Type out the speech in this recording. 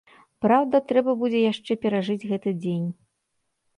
Праўда, трэба будзе яшчэ перажыць гэты дзень.